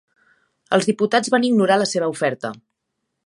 Els diputats van ignorar la seva oferta.